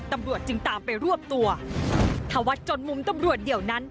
ตำรวจจึงตามไปรวบตัวธวัฒน์จนมุมตำรวจเดียวนั้น